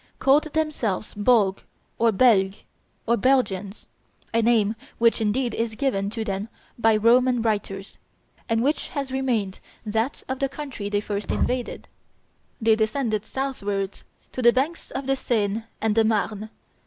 called themselves Bolg, or Belg, or Belgians, a name which indeed is given to them by Roman writers, and which has remained that of the country they first invaded. They descended southwards, to the banks of the Seine and the Marne.